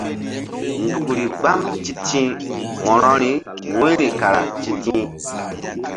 Nzukri mgbam ti̧ti̧h wo̧rori wu̧yri kara ti̧ti̧h.